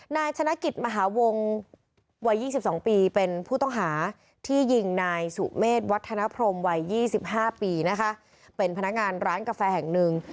นายธนกิจมหาวงวัย๒๒ปีเป็นผู้ต้องหาที่ยิงนายสุเมษวัฒนพรมวัย๒๕ปีนะคะเป็นพนักงานร้านกาแฟแห่งหนึ่ง